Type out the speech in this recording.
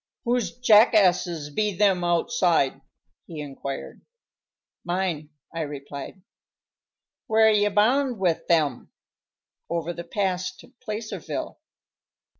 "Whose jackasses be them outside?" he inquired. "Mine," I replied. "Where ye bound with them?" "Over the pass to Placerville."